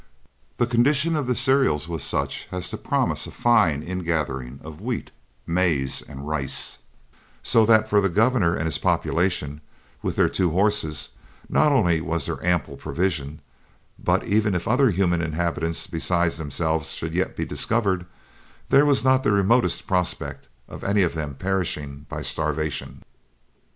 The condition of the cereals was such as to promise a fine ingathering of wheat, maize, and rice; so that for the governor and his population, with their two horses, not only was there ample provision, but even if other human inhabitants besides themselves should yet be discovered, there was not the remotest prospect of any of them perishing by starvation.